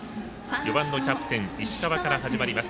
４番、キャプテンの石川から始まります。